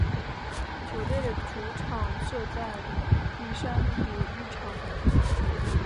球队的主场设在碧山体育场。